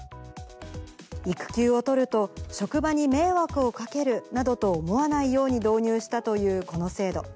育休を取ると職場に迷惑をかけるなどと思わないように導入したというこの制度。